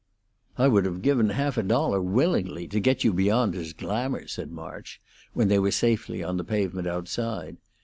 "I would have given half a dollar willingly to get you beyond his glamour," said March, when they were safely on the pavement outside.